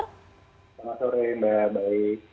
selamat sore mbak baik